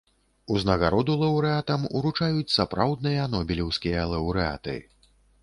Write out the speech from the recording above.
Узнагароду лаўрэатам уручаюць сапраўдныя нобелеўскія лаўрэаты.